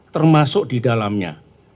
termasuk di dalamnya